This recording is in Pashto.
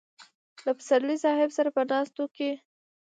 له پسرلي صاحب سره په ناستو کې.